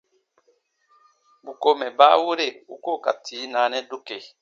Bù ko mɛ̀ baawere u ko n ka tii naanɛ dokee.